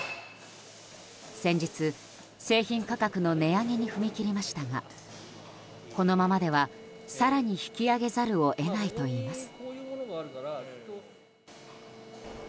先日、製品価格の値上げに踏み切りましたがこのままでは更に引き上げざるを得ないといいます。